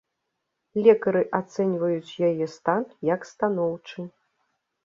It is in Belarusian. Лекары ацэньваюць яе стан як станоўчы.